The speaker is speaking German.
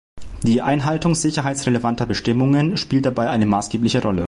Die Einhaltung sicherheitsrelevanter Bestimmungen spielt dabei eine maßgebliche Rolle.